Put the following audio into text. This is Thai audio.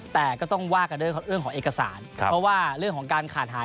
แต่ก็ต้องว่ากันด้วยเรื่องของเอกสารเพราะว่าเรื่องของการขาดหาย